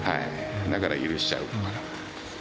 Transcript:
だから許しちゃうのかな。